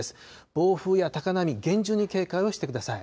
暴風や高波、厳重に警戒をしてください。